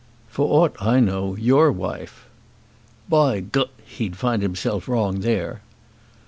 For aught I know, your wife." "By G , he'd find himself wrong there."